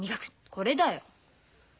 これだよ。